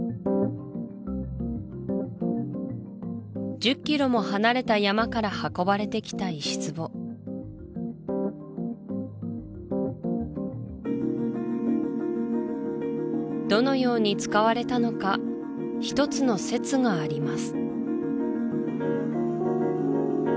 １０ｋｍも離れた山から運ばれてきた石壺どのように使われたのか一つの説があります